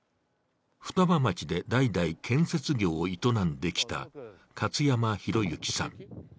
双葉町で代々建設業を営んできた勝山広幸さん。